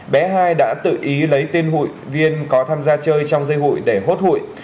bé hai đã tự ý lấy tên hụi viên có tham gia chơi trong dây hụi để hốt hụi